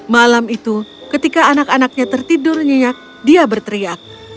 malam itu ketika anak anaknya tertidur nyenyak dia berteriak